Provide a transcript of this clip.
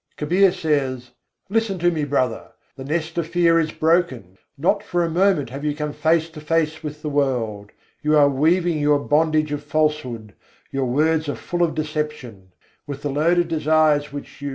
Kabîr says: "Listen to me, brother! The nest of fear is broken. Not for a moment have you come face to face with the world: You are weaving your bondage of falsehood, your words are full of deception: With the load of desires which you.